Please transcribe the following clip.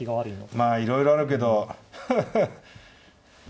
まあいろいろあるけどハハッ。